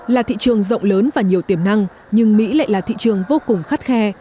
là thị trường rộng lớn và nhiều tiềm năng nhưng mỹ lại là thị trường vô cùng khắt khe